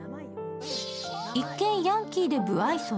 一見、ヤンキーで無愛想。